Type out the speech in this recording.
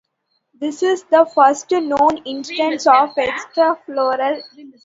This is the first known instance of extrafloral nectaries being observed inside of ant-domatia.